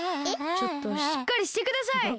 ちょっとしっかりしてください！